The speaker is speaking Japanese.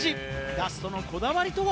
ガストのこだわりとは？